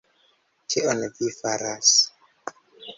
Kion vi faras!..